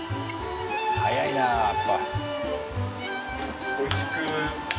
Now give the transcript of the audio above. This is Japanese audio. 早いなやっぱ。